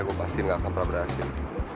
gue pasti nggak akan pernah berhasil